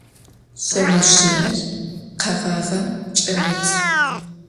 Şseozjıêr kheğağem ç'erıt.